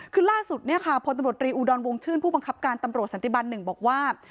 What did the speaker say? คือล่าสุดพทมอูดอลวงชื่นผู้บังคับการตำรวจสันติบันหนึ่งบอกว่า